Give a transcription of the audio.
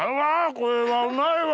これはうまいわ！